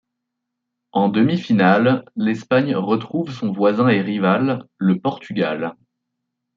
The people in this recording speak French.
En demi-finale, l'Espagne retrouve son voisin et rival, le Portugal.